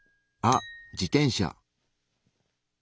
あっ自転車。